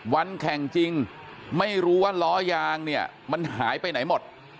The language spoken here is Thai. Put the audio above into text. วันแข่งจริงไม่รู้ว่าล้อยางเนี่ยมันหายไปไหนหมด